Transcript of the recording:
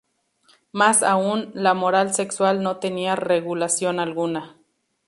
Más aún, la moral sexual no tenía regulación alguna.